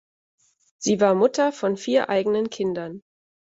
Sie war Mutter von vier eigenen Kindern.